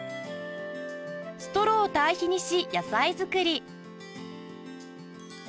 ストローを堆肥にし野菜作り